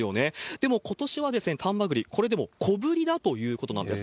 でもことしは丹波栗、これでも小ぶりだということなんです。